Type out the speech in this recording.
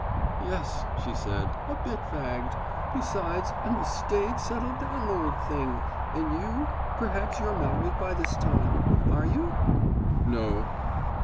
"Yes," she said, "a bit fagged. Besides, I'm a staid, settled down old thing and you, perhaps you're married by this time. Are you?" "No."